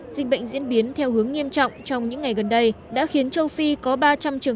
dịch bệnh diễn biến theo hướng nghiêm trọng trong những ngày gần đây đã khiến châu phi có ba trăm linh trường